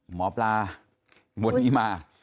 หมอปลาวันนี้มา